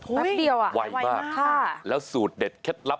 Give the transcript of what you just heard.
แป๊บเดียวอ่ะไวมากค่ะแล้วสูตรเด็ดเคล็ดลับ